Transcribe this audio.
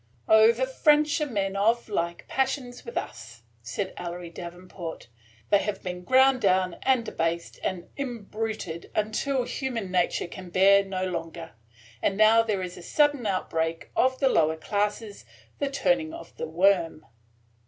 "O, the French are men of like passions with us!" said Ellery Davenport. "They have been ground down and debased and imbruted till human nature can bear no longer, and now there is a sudden outbreak of the lower classes, – the turning of the worm."